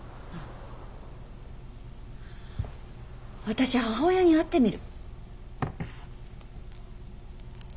私母親に会ってみる。